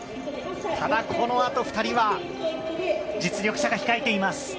ただこのあと２人は、実力者が控えています。